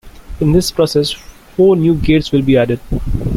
In this process four new gates will be added.